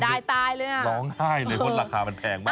ยายตายเลยอ่ะร้องไห้เลยเพราะราคามันแพงมาก